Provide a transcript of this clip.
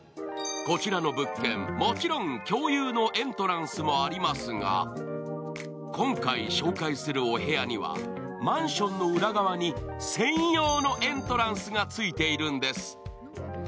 こちらの物件、もちろん共有のエントランスもありますが今回紹介するお部屋には、マンションの裏側に専用のエントランスがついているんです。